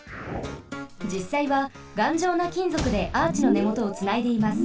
じっさいはがんじょうなきんぞくでアーチのねもとをつないでいます。